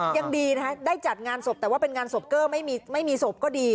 ยังดีนะคะได้จัดงานศพแต่ว่าเป็นงานศพเกอร์ไม่มีศพก็ดี